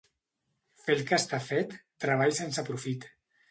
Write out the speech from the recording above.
Fer el que està fet, treball sense profit.